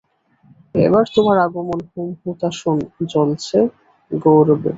এবার তোমার আগমন হোমহুতাশন জ্বেলেছে গৌরবে।